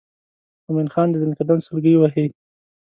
مومن خان د زکندن سګلې وهي.